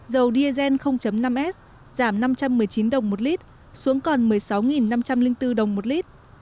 dầu diesel năm s giảm năm trăm một mươi chín đồng một lít xuống còn một mươi sáu năm trăm linh bốn đồng một lít